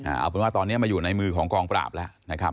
เอาเป็นว่าตอนนี้มาอยู่ในมือของกองปราบแล้วนะครับ